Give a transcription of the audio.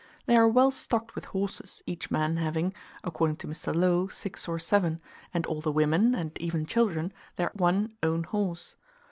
They are well stocked with horses, each man having, according to Mr. Low, six or seven, and all the women, and even children, their one own horse.